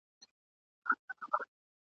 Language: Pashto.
وڅڅوي اوښکي اور تر تلي کړي !.